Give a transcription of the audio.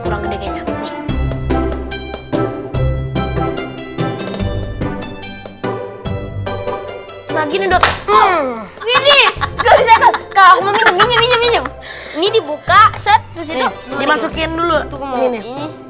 hai kalau gitu loh